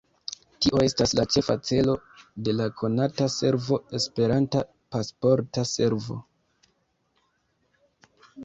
Tio estas la ĉefa celo de la konata servo esperanta Pasporta Servo.